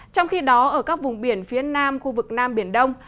trong khi đó ở các vùng biển phía nam khu vực nam biển đông